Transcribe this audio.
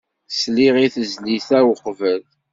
Sliɣ i tezlit-a uqbel.